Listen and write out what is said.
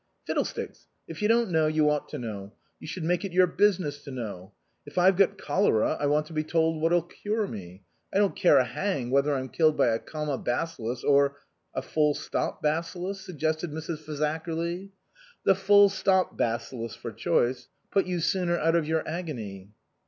" Fiddlesticks ! If you don't know, you ought to know ; you should make it your business to know. If I've got cholera I want to be told what'll cure me. I don't care a hang whether I'm killed by a comma bacillus or " "A full stop bacillus," suggested Mrs. Faza kerly. "The full stop bacillus for choice put you sooner out of your agony."